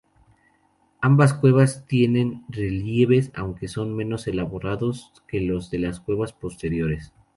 Ambas cuevas tienen relieves, aunque son menos elaborados que los de cuevas posteriores.